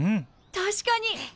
確かに！